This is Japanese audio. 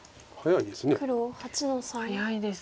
早いです。